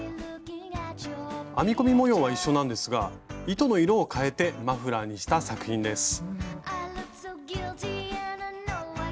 編み込み模様は一緒なんですが糸の色を変えてマフラーにした作品です。